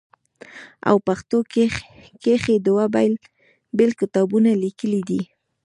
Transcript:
او پښتو کښې دوه بيل کتابونه ليکلي دي